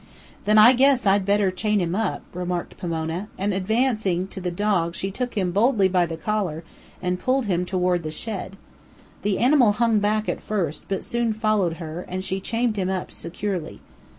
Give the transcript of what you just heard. "Then I guess I'd better chain him up," remarked Pomona; and advancing to the dog she took him boldly by the collar and pulled him toward the shed. The animal hung back at first, but soon followed her, and she chained him up securely.